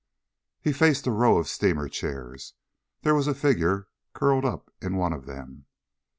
He faced a row of steamer chairs. There was a figure curled up in one of them.